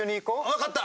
分かった。